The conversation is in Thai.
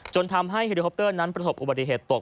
จนทำให้เฮลิคอปเตอร์นั้นประสบอุบัติเหตุตก